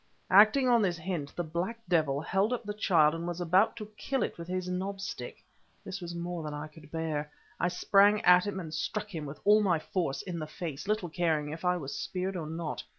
Acting on this hint the black devil held up the child, and was about to kill it with his knobstick. This was more than I could bear. I sprang at him and struck him with all my force in the face, little caring if I was speared or not.